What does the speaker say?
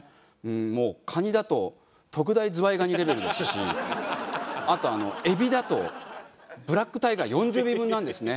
もうカニだと特大ズワイガニレベルですしあとエビだとブラックタイガー４０尾分なんですね。